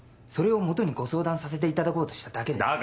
それを基にご相談させていただこうとしただけで。